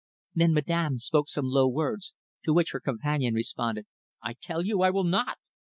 Then Madame spoke some low words, to which her companion responded: `I tell you I will not!